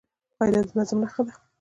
قاعده د نظم نخښه ده.